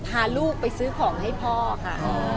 พาลูกไปซื้อของให้พ่อค่ะ